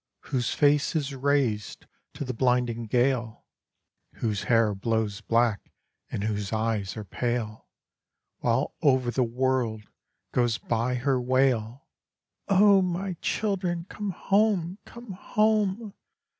Whose face is raised to the blinding gale; Whose hair blows black and whose eyes are pale, While over the world goes by her wail, "O my children, come home, come home!